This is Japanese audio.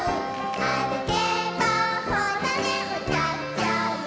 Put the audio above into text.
「あるけばほらねうたっちゃう」